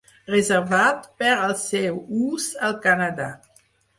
Reservat per al seu ús al Canadà.